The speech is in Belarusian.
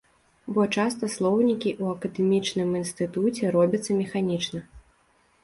Бо часта слоўнікі ў акадэмічным інстытуце робяцца механічна.